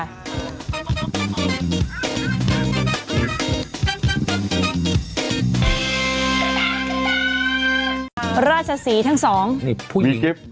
นี่กันนะคะ